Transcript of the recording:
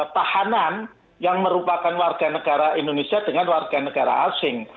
tahanan yang merupakan warganegara indonesia dengan warganegara asing